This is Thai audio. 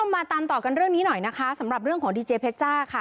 มาตามต่อกันเรื่องนี้หน่อยนะคะสำหรับเรื่องของดีเจเพชจ้าค่ะ